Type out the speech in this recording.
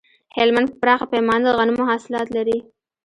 هلمند په پراخه پیمانه د غنمو حاصلات لري